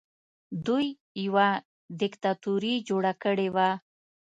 دوی یوه دیکتاتوري جوړه کړې وه